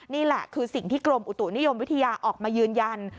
นี่คือสิ่งที่กรมอุตุนิยมวิทยาออกมายืนยัน